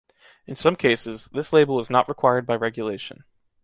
In some cases, this label is not required by regulation.